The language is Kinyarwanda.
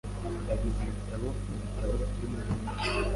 Ndaguza ibitabo mubitabo byumujyi .